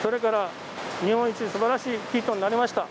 日本一すばらしい生糸になりました。